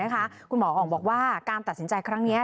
คุณหมออ๋องบอกว่าการตัดสินใจครั้งนี้